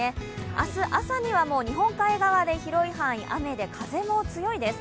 明日、朝には日本海側で広い範囲雨で風も強いです。